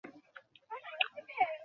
কার্তিক, কী করছো?